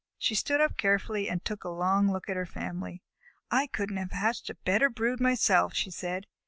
She stood up carefully and took a long look at her family. "I couldn't have hatched out a better brood myself," she said.